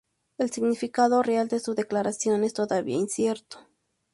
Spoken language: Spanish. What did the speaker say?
El significado real de su declaración es todavía incierto.